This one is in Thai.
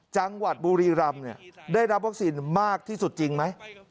จังหวัดบุรีรำได้รับวัคซีนมากที่สุดจริงไหม